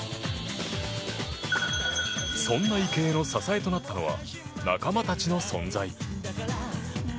そんな池江の支えとなったのは仲間たちの存在。